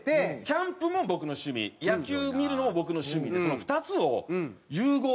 キャンプも僕の趣味野球見るのも僕の趣味でその２つを融合させて。